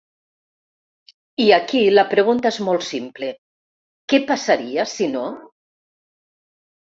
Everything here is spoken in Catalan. I aquí la pregunta és molt simple: què passaria si no?